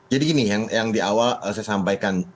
jadi gini yang di awal saya sampaikan